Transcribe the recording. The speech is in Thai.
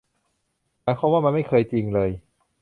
หมายความว่ามันไม่เคยจริงเลย